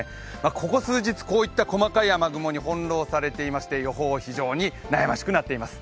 ここ数日こういった細かい雨雲に翻弄されていまして予報は非常に悩ましくなっています。